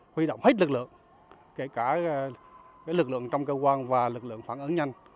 huy động hết lực lượng kể cả lực lượng trong cơ quan và lực lượng phản ứng nhanh